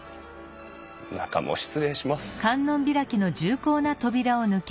中も失礼します。